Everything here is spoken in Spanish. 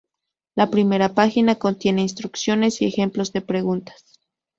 La primera página contiene instrucciones y ejemplos de preguntas.